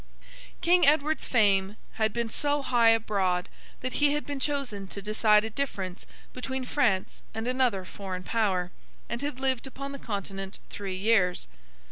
King Edward's fame had been so high abroad that he had been chosen to decide a difference between France and another foreign power, and had lived upon the Continent three years.